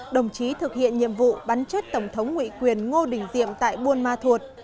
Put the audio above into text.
đồng chí thực hiện nhiệm vụ bắn chết tổng thống nguyễn quyền ngô đình diệm tại buôn ma thuột